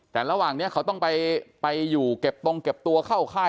แต่ระหว่างนี้เขาต้องไปอยู่เก็บตรงเก็บตัวเข้าค่าย